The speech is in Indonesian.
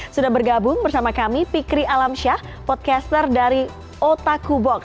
sudah bergabung bersama kami fikri alamsyah podcaster dari otaku box